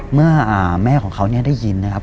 เมื่อแม่ของเขาได้ยินนะครับ